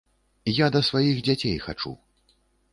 Я да сваіх дзяцей хачу.